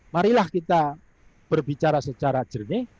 marilah kita berbicara secara jernih